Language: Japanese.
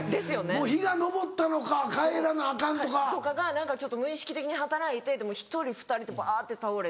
「もう日が昇ったのか帰らなアカン」とか。とかが無意識的に働いて１人２人とばって倒れて。